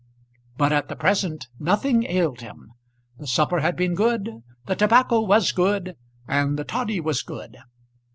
But at the present nothing ailed him. The supper had been good, the tobacco was good, and the toddy was good.